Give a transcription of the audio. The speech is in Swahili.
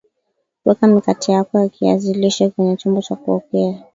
Weka mikate yako ya kiazi lishe kwenye chombo cha kuokea